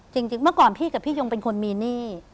จริงเมื่อก่อนพี่กับพี่ยงเป็นคนมีหนี้